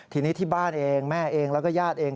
ทีนี้ที่บ้านเองแม่เองแล้วก็ญาติเอง